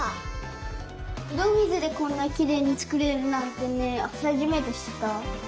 いろみずでこんなきれいにつくれるなんてねはじめてしった。